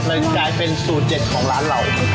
กลายเป็นสูตรเด็ดของร้านเรา